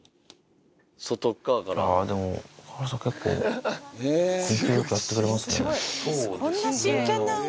ああでも、川原さん、結構根気よくやってくれますね。